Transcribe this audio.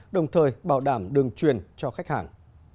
đồng thời bảo đảm đường truyền cho khách hàng